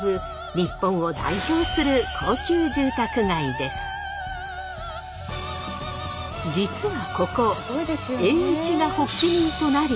日本を代表する実はここ栄一が発起人となり